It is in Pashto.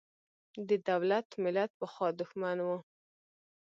د دولت–ملت پخوا دښمن و.